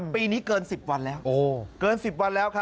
ปีนี้เกิน๑๐วันแล้ว